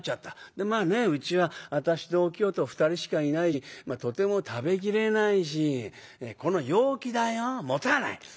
でまあねうちは私とお清と２人しかいないしとても食べきれないしこの陽気だよもたない。